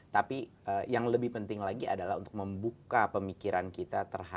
tapi yang lebih penting lagi adalah untuk membuka pemikiran kita terhadap